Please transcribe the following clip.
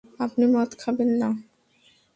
আপনি মদ খাবেন না?